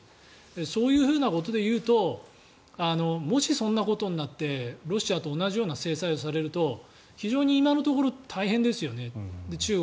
そういうふうなことで言うともしそんなことになってロシアと同じような制裁をされると非常に中国は今のところ大変ですよね。